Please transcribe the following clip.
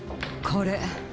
これ。